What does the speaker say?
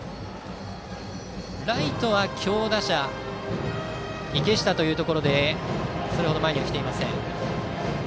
ライトは強打者・池下でそれほど前には来ていません。